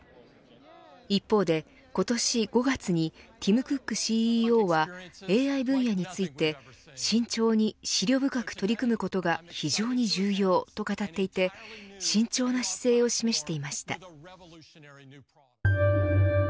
一方で今年５月にティム・クックＣＥＯはＡＩ分野について慎重に思慮深く取り組むことが非常に重要と語っていて慎重な姿勢を示していました。